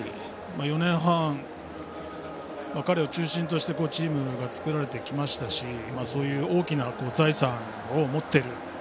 ４年半、彼を中心としてチームが作られてきましたし、そういう大きな財産を持っている。